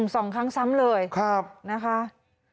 สองครั้งซ้ำเลยนะคะ